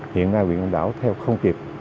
hiện nay quận đảo theo không kịp